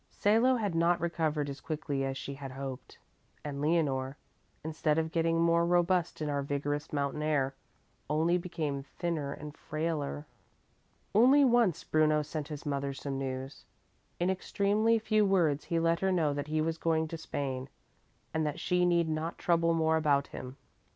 Salo had not recovered as quickly as she had hoped, and Leonore, instead of getting more robust in our vigorous mountain air, only became thinner and frailer. Only once Bruno sent his mother some news. In extremely few words he let her know that he was going to Spain, and that she need not trouble more about him.